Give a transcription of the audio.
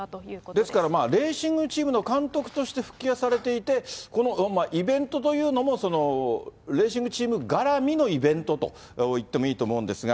ですから、レーシングチームの監督として復帰はされていて、このイベントというのも、レーシングチーム絡みのイベントといってもいいと思うんですが。